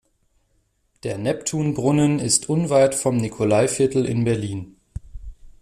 Der Neptunbrunnen ist unweit vom Nikolaiviertel in Berlin.